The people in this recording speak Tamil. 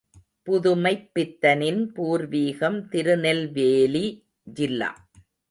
புதுமைப்பித்தனின் பூர்வீகம் திருநெல்வேலி ஜில்லா.